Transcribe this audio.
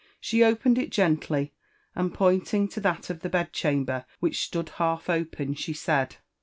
She opened k gently, aad pesatiag to thnttsf (he bed cbaunber which stood half open, she said.